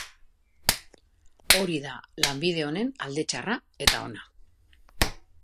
Hori da lanbide onen alde txarra eta ona.